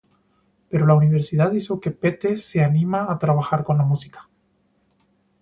Pero la universidad hizo que Pete se anima a trabajar con la música.